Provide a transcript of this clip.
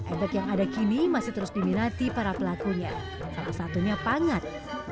efek yang ada kini masih terus diminati para pelakunya salah satunya pangan